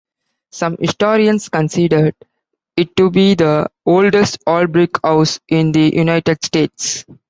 Some historians consider it to be the oldest all-brick house in the United States.